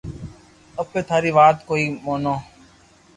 اپي ٿارو وات ڪوئي مونو